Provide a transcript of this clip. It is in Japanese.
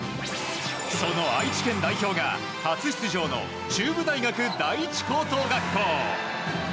その愛知県代表が初出場の中部大学第１高等学校。